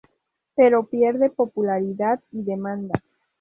Pero pierde popularidad y demanda.